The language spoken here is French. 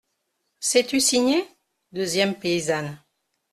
Sais-tu signer ? deuxième paysanne.